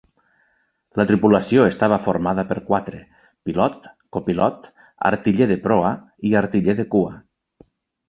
La tripulació estava formada per quatre: pilot, copilot, artiller de proa i artiller de cua.